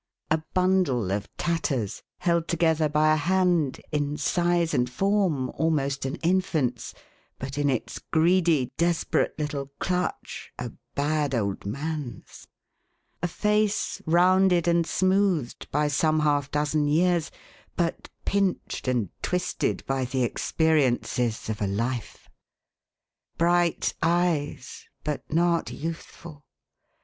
A bundle of tatters, held together by a hand, in size and form almost an infant's, but, in its greedy, desperate little clutch, a bad old man's. A face rounded and smoothed by some half dozen years, but pinched and' twisted by the ex periences of a life. Bright eyes, but not youthful.